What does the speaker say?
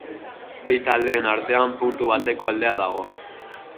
Bi taldeen artean puntu bateko aldea dago.